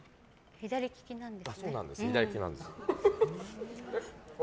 左利きなんです。